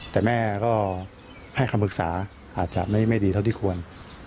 แต่แม่ก็ให้คำปรึกษาอาจจะไม่ดีเท่าที่ควร